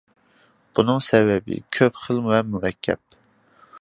بۇنىڭ سەۋەبى كۆپ خىل ۋە مۇرەككەپ.